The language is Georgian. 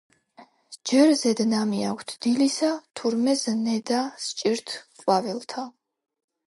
ჯერ ზედ ნამი აქვთ დილისა.თურმე ზნედა სჭირთ ყვავილთა